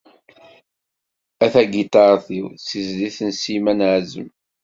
"A tagiṭart-iw", d tizlit n Sliman Ԑazem.